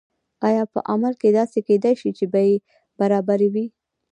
آیا په عمل کې داسې کیدای شي چې بیې برابرې وي؟